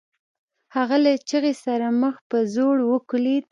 هغه له چيغې سره مخ په ځوړ وکوليد.